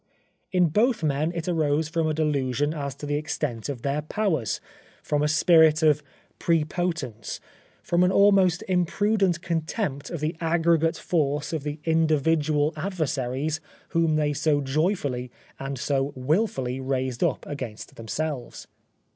In both men it arose from a delusion as to the extent of their powers, from a spirit of prepotence, from a most imprudent contempt of the aggregate force of the individual adversaries whom they so joyfully and so wilfully raised 107 The Life ot Oscar Wilde up against themselves.